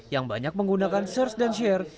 yang banyak menggunakan search dan share